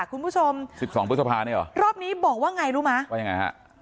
คุณผู้ชมสิบสองพฤษภานี่เหรอรอบนี้บอกว่าไงรู้ไหมว่ายังไงฮะ